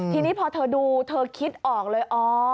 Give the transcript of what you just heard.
ทีนี้พอเธอดูเธอคิดออกเลยอ๋อ